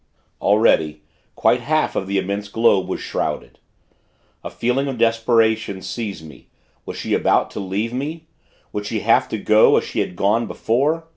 Already, quite half of the immense globe was shrouded. A feeling of desperation seized me. Was she about to leave me? Would she have to go, as she had gone before?